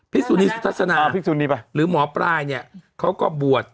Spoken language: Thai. พิกษุนีสุทัศนาหรือหมอปลายเนี่ยเขาก็บวช